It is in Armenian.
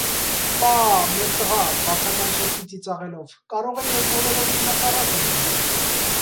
- Պա՜, մեր տղա,- բացականչեցի ծիծաղելով,- կարող է և բոլորովին հակառակը լինել: